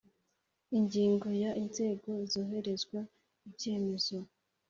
Ingingo ya Inzego zohererezwa ibyemezo